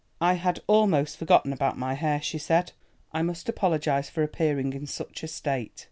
"I had almost forgotten about my hair," she said; "I must apologise for appearing in such a state.